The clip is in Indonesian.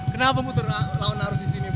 kenapa muter lawan arus di sini